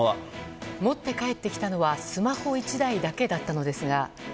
持って帰ってきたのはスマホ１台だけだったのですが。